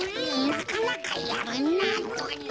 なかなかやるなぁ。